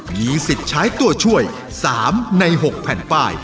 มีสิทธิ์ใช้ตัวช่วย๓ใน๖แผ่นป้าย